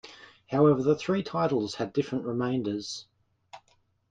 However, the three titles had different remainders.